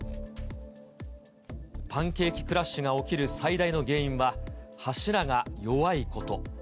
パンケーキクラッシュが起きる最大の原因は、柱が弱いこと。